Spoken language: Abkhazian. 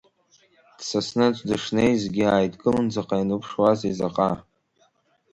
Дсасны дышнеизгьы ааидкылан, заҟа ианыԥшуазеи, заҟа?!